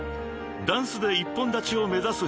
［ダンスで一本立ちを目指すＨｙＯｇＡ］